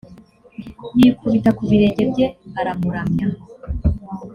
yikubita ku birenge bye aramuramya